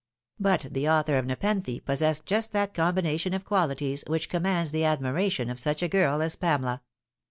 But the author of Nepenthe possessed just that combination of qualities which commands the admiration of such a girl as Pamela.